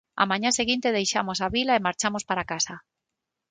Á maña seguinte deixamos a vila e marchamos para casa.